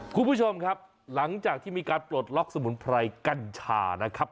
คุณผู้ชมครับหลังจากที่มีการปลดล็อกสมุนไพรกัญชานะครับ